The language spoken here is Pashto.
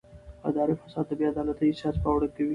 اداري فساد د بې عدالتۍ احساس پیاوړی کوي